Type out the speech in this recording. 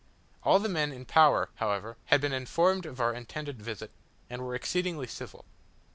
All the men in power, however, had been informed of our intended visit, and were exceedingly civil.